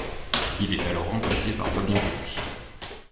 Il est alors remplacé par Fabien Pelous.